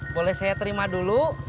boleh saya terima dulu